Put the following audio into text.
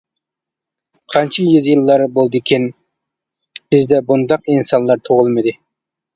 قانچە يۈز يىللار بولدىكىن، بىزدە بۇنداق ئىنسانلار تۇغۇلمىدى.